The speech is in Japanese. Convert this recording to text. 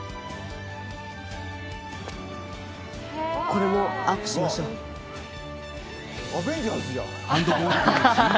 これもアップしましょう。